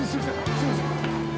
すいません。